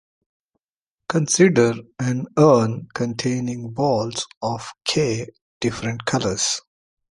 Consider an urn containing balls of "K" different colors.